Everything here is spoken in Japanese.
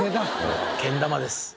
けん玉です